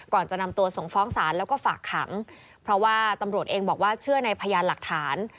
ก่อนจะนำตัวส่งฟ้องศาลแล้วก็ฝากขังเพราะว่าตำรวจเองบอกว่าเชื่อในพยานหลักฐาน